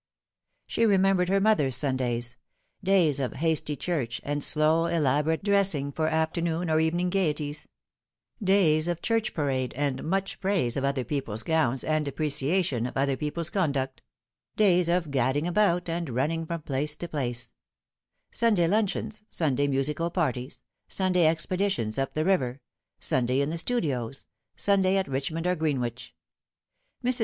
She remembered her mother's Sundays days of hasty chnrch, and slow elaborate dressing for afternoon or evening gaieties ; days of church parade and much praise of other people's gowns and depreciation of other people's conduct ; days of gadding about and running from place to place ; Sunday luncheons, Sunday musical parties, Sunday expeditions up the river, Sun day in the studios, Sunday at Richmond or Greenwich. Mrs.